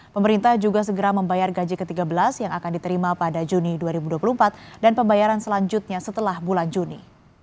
pemerintah juga segera membayar gaji ke tiga belas yang akan diterima pada juni dua ribu dua puluh empat dan pembayaran selanjutnya setelah bulan juni